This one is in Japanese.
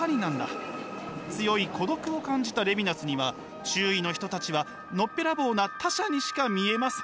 強い孤独を感じたレヴィナスには周囲の人たちはのっぺらぼうな他者にしか見えません。